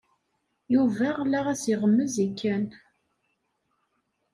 Yuba la as-iɣemmez i Ken.